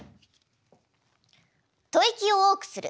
吐息を多くする。